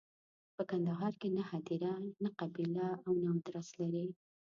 په کندهار کې نه هدیره، نه قبیله او نه ادرس لري.